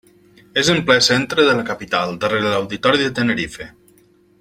És en ple centre de la capital, darrere l'Auditori de Tenerife.